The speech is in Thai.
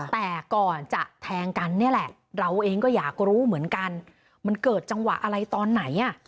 แต่ก่อนจะแทงกันนี่แหละเราเองก็อยากรู้เหมือนกันมันเกิดจังหวะอะไรตอนไหนอ่ะ